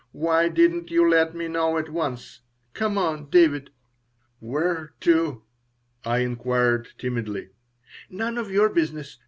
Why didn't you let me know at once? Come on, David!" "Where to?" I inquired, timidly. "None of your business.